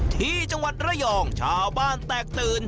ที่จังหวัดระยองชาวบ้านแตกตื่น